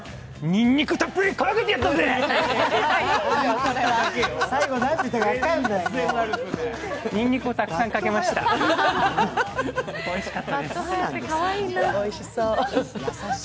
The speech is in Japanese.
にんにくをたくさんかけました、おいしかったです。